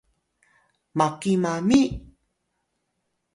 maki mami?